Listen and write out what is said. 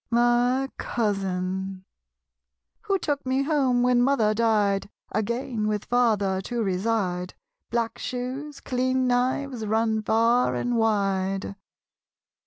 My Cousin. Who took me home when mother died, Again with father to reside, Black shoes, clean knives, run far and wide?